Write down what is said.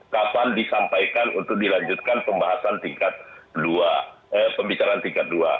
kapan disampaikan untuk dilanjutkan pembahasan tingkat dua pembicaraan tingkat dua